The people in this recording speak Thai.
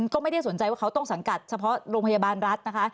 ก็ไม่ได้สนใจว่าเขาต้องสังกัดเฉพาะโรงพยาบาลรัฐนะคะ